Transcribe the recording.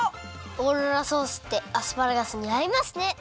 オーロラソースってアスパラガスにあいますね！